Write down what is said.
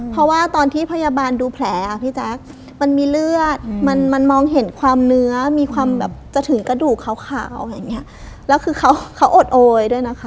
เพราะว่าตอนที่พยาบาลดูแผลอ่ะพี่แจ๊คมันมีเลือดมันมันมองเห็นความเนื้อมีความแบบจะถึงกระดูกขาวอย่างเงี้ยแล้วคือเขาเขาอดโอยด้วยนะคะ